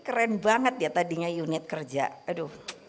keren banget ya tadinya unit kerja aduh